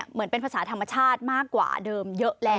เหมือนเป็นภาษาธรรมชาติมากกว่าเดิมเยอะแล้ว